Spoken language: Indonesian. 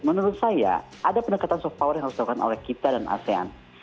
menurut saya ada pendekatan soft power yang harus dilakukan oleh kita dan asean